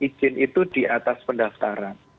izin itu di atas pendaftaran